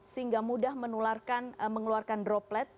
sehingga mudah menularkan mengeluarkan droplet